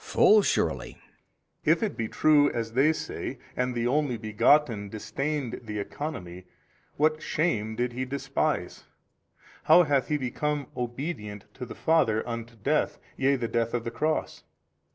B. Full surely. A. If it be true as they say, and the Only Begotten disdained the Economy, what shame did He despise? how hath He become obedient to the Father unto death yea the death of the cross?